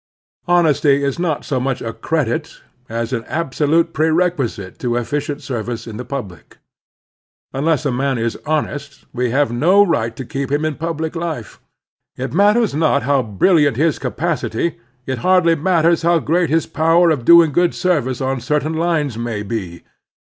Honesty is not so much a credit as an absolute prerequisite to efficient service to the public. Unless a man is honest we have no right to keep him in public life, it matters not how brilliant his capacity, it hardly matters how great his power of doing good service on certain lines may be.